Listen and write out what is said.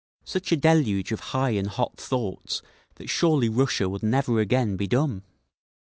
Such a deluge of high and hot thoughts that surely Russia would never again be dumb!